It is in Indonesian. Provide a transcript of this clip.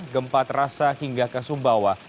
gempa terasa hingga ke sumbawa